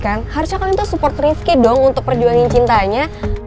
kan harusnya kalian tuh support rifki dong untuk perjuangin cintanya